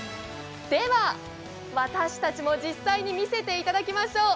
では私たちも実際に見せていただきましょう。